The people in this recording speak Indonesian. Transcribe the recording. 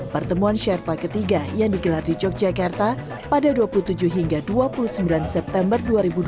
pertemuan sherpa ketiga yang digelar di yogyakarta pada dua puluh tujuh hingga dua puluh sembilan september dua ribu dua puluh